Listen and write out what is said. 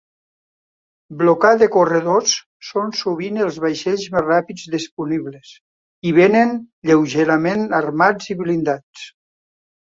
Blockade corredors són sovint els vaixells més ràpids disponibles, i vénen lleugerament armats i blindats.